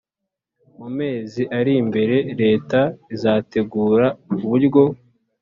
mu mezi ari mbere, leta izategura uburyo